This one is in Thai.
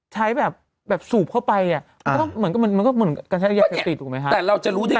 ใช้แบบสูบเข้าไปมันก็เหมือนการใช้ยาแฟติด